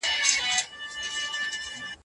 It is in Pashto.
ما پرون د ورزش کولو تمرين وکړ.